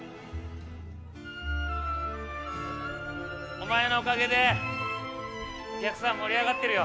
お前のおかげでお客さん盛り上がってるよ。